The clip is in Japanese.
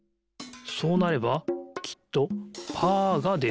そうなればきっとパーがでる。